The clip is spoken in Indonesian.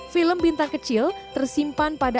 film bintang kecil tersimpan pada